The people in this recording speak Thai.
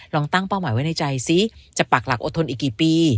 ตั้งเป้าหมายไว้ในใจซิจะปากหลักอดทนอีกกี่ปี